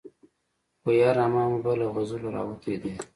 ګویا رحمان بابا له غزلو راوتی دی.